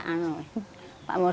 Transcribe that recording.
saya tidak mengerti